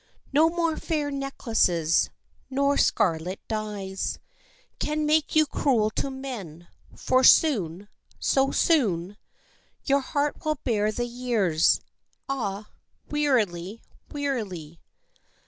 No more fair necklaces nor scarlet dyes Can make you cruel to men, for soon, so soon, Your heart will bear the years ah, wearily, wearily.